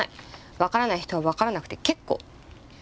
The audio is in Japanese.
分からない人は分からなくて結構。